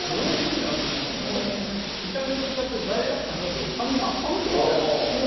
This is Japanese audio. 見た目と違って罪悪感なくパクパクパクっていけちゃう。